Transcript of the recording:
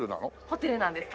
ホテルなんです。